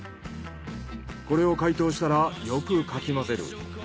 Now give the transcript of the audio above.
これを解凍したらよくかき混ぜる。